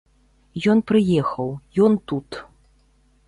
Ён прыехаў, ён тут.